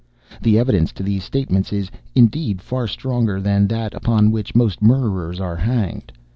The evidence to these statements is, indeed, far stronger than that upon which most murderers are hanged.